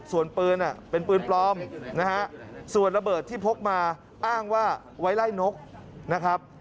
ส่วนปืนเป็นปืนปลอมนะฮะส่วนระเบิดที่พกมาอ้างว่าไว้ไล่นกนะครับ